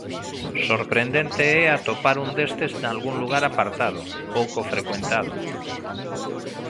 Sorprendente é atopar un destes nalgún lugar apartado, pouco frecuentado.